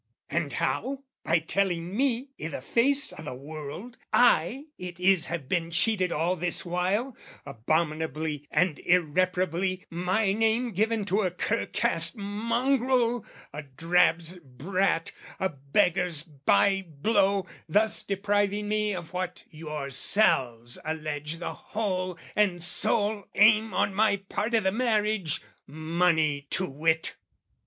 "And how? By telling me, i' the face of the world, "I it is have been cheated all this while, "Abominably and irreparably, my name "Given to a cur cast mongrel, a drab's brat, "A beggar's bye blow, thus depriving me "Of what yourselves allege the whole and sole "Aim on my part i' the marriage, money to wit.